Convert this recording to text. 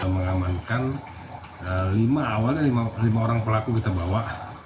mengamankan lima orang pelaku kita bawa